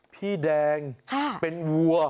พี่แดงเป็นวัว